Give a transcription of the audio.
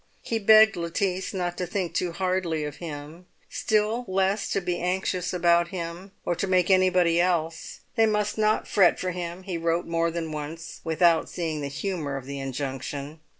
He begged Lettice not to think too hardly of him, still less to be anxious about him, or to make anybody else; they must not fret for him, he wrote more than once, without seeing the humour of the injunction.